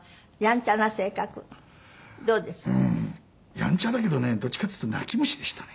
やんちゃだけどねどっちかっていうと泣き虫でしたね。